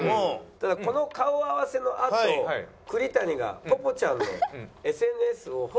ただこの顔合わせのあと栗谷がぽぽちゃんのＳＮＳをフォローしに。